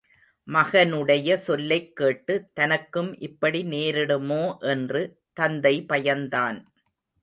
மகனுடைய சொல்லைக் கேட்டு, தனக்கும் இப்படி நேரிடுமோ என்று தந்தை பயந்தான்.